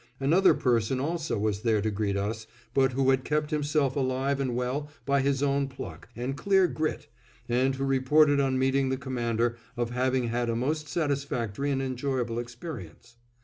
Another person also was there to greet us; but who had kept himself alive and well by his own pluck and clear grit, and who reported on meeting the Commander of having had a most satisfactory and enjoyable experience.